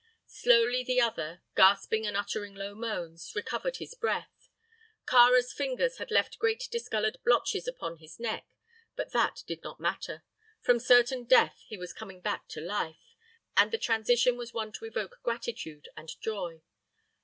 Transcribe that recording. Slowly the other, gasping and uttering low moans, recovered his breath. Kāra's fingers had left great discoloured blotches upon his neck; but that did not matter. From certain death he was coming back to life, and the transition was one to evoke gratitude and joy.